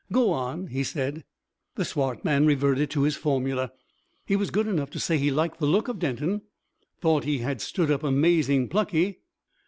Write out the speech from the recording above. "Go on," he said. The swart man reverted to his formula. He was good enough to say he liked the look of Denton, thought he had stood up "amazing plucky.